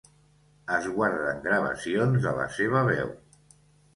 Es guarden gravacions de la seva veu.